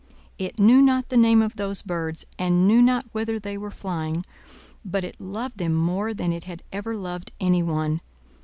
It knew not the name of those birds, and knew not whither they were flying; but it loved them more than it had ever loved anyone.